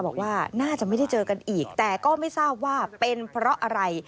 บอกว่าน่าจะไม่ได้เจอกันอีกแต่ก็ไม่ทราบว่าเป็นเพราะอะไร